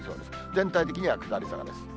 全体的には下り坂です。